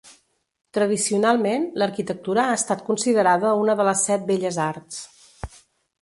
Tradicionalment, l'arquitectura ha estat considerada una de les set Belles Arts.